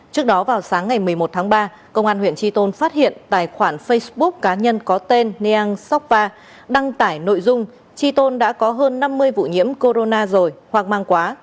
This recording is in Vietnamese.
công an huyện tri tôn phát hiện tài khoản facebook cá nhân có tên neang sokva đăng tải nội dung tri tôn đã có hơn năm mươi vụ nhiễm corona rồi hoang mang quá